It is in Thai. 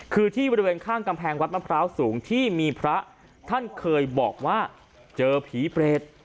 คือที่บริเวณข้างกำแพงวัดมะพร้าวสูงที่มีพระท่านเคยบอกว่าเจอผีเปรต